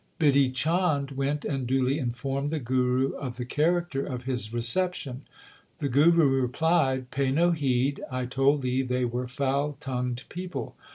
Bidhi Chand went and duly informed the Guru of the character of his reception. The Guru replied : Pay no heed, I told thee they were foul tongued people.